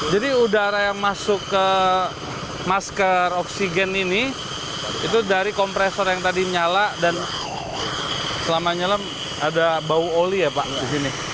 jadi udara yang masuk ke masker oksigen ini itu dari kompresor yang tadi nyala dan selama nyelam ada bau oli ya pak di sini